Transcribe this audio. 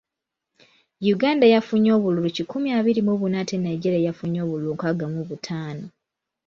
Uganda yafunye obululu kikumi abiri mu buna ate Nigeria yafunye obululu nkaaga mu butaano.